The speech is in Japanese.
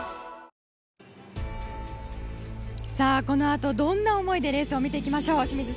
このあとどんな思いでレースを見ていきましょうか？